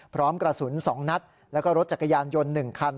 พร้อมกระสุน๒นัดแล้วก็รถจักรยานยนต์๑คัน